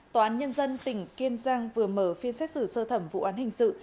tòa án nhân dân tỉnh kiên giang vừa mở phiên xét xử sơ thẩm vụ án hình sự